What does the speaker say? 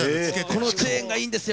このチェーンがいいんですよ。